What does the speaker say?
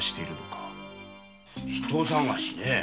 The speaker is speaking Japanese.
人捜しねえ。